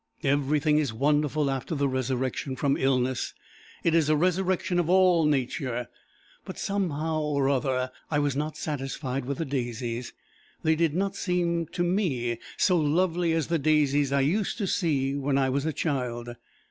Everything is wonderful after the resurrection from illness. It is a resurrection of all nature. But somehow or other I was not satisfied with the daisies. They did not seem to me so lovely as the daisies I used to see when I was a child.